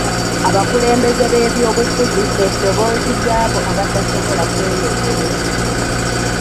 Abakulembeze b'ebyobufuzi be ddoboozi ly'abo abatasobola kwe yogerera.